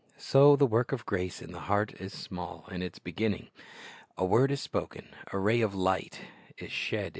So the work of grace in the heart is small in its begin ning. A word is spoken, a ray of light is she^.